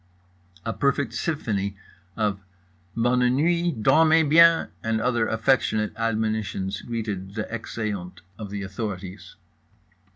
A perfect symphony of "Bonne nuits" "Dormez biens" and other affectionate admonitions greeted the exeunt of the authorities.